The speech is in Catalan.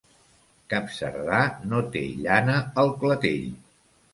Cap cerdà no té llana al clatell.